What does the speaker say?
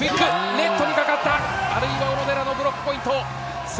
ネットにかかった、小野寺のブロックポイント。